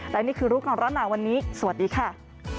และนี่คือรู้ก่อนร้อนหนาวันนี้สวัสดีค่ะ